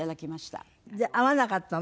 会わなかったの？